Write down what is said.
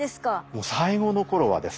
もう最後の頃はですね